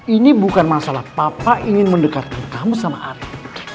ini bukan masalah papa ingin mendekatkan kamu sama arief